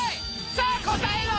さあ答えろ！